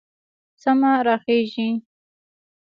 سمه راخېژي